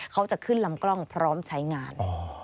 เขาจะขึ้นลำกล้องพร้อมใช้งาน